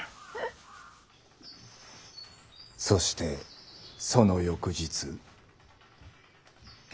そしてその翌日。